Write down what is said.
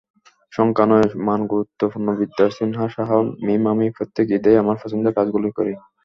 সংখ্যা নয়, মান গুরুত্বপূর্ণবিদ্যা সিনহা সাহা মীমআমি প্রত্যেক ঈদেই আমার পছন্দের কাজগুলোই করি।